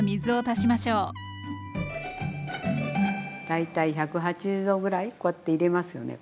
大体１８０℃ぐらいこうやって入れますよね